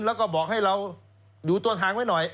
แล้วก็บอกให้เราดูต้นทางไว้หน่อย